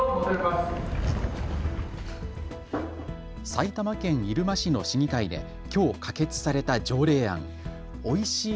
埼玉県入間市の市議会できょう可決された条例案おいしい